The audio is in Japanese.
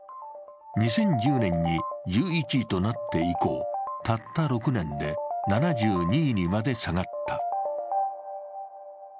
２０１０年に１１位となって以降、たった６年で７２位にまで下がった。